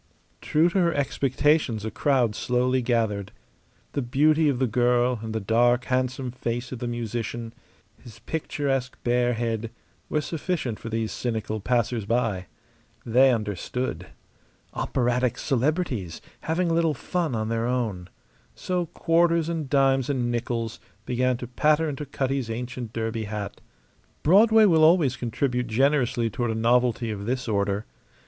True to her expectations a crowd slowly gathered. The beauty of the girl and the dark, handsome face of the musician, his picturesque bare head, were sufficient for these cynical passers by. They understood. Operatic celebrities, having a little fun on their own. So quarters and dimes and nickels began to patter into Cutty's ancient derby hat. Broadway will always contribute generously toward a novelty of this order.